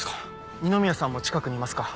二宮さんも近くにいますか？